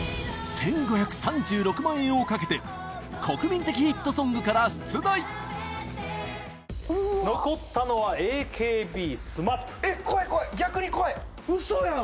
１５３６万円をかけて国民的ヒットソングから出題残ったのはＡＫＢＳＭＡＰ怖い怖い逆に怖い嘘やん！？